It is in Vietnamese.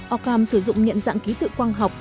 ockham sử dụng nhận dạng ký tự quan học